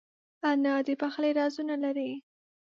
انا د پخلي رازونه لري